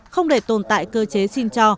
không để tồn tại cơ chế xin cho